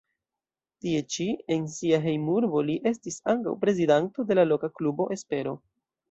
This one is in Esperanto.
Tie ĉi, en sia hejmurbo, li estis ankaŭ prezidanto de la loka klubo Espero.